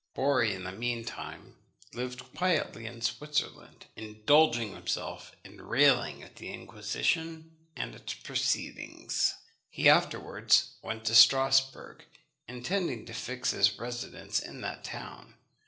Borri, in the mean time, lived quietly in Switzerland, indulging himself in railing at the Inquisition and its proceedings. He afterwards went to Strasbourg, intending to fix his residence in that town.